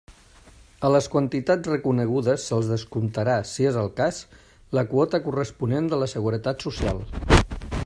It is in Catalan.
A les quantitats reconegudes se'ls descomptarà, si és el cas, la quota corresponent de la Seguretat Social.